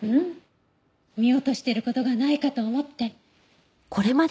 見落としてる事がないかと思って。